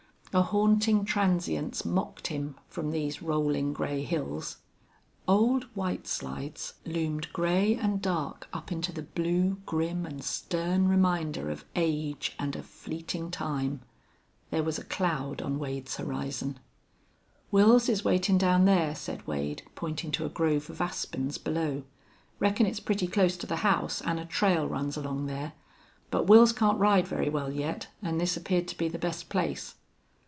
A haunting transience mocked him from these rolling gray hills. Old White Slides loomed gray and dark up into the blue, grim and stern reminder of age and of fleeting time. There was a cloud on Wade's horizon. "Wils is waitin' down there," said Wade, pointing to a grove of aspens below. "Reckon it's pretty close to the house, an' a trail runs along there. But Wils can't ride very well yet, an' this appeared to be the best place."